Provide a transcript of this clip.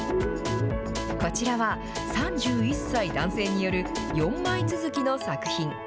こちらは、３１歳男性による、４枚続きの作品。